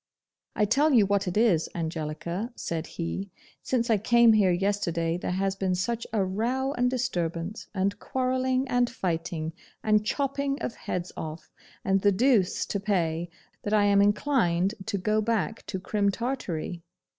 'I tell you what it is, Angelica,' said he, 'since I came here yesterday, there has been such a row, and disturbance, and quarrelling, and fighting, and chopping of heads off, and the deuce to pay, that I am inclined to go back to Crim Tartary.